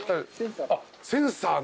あっセンサー。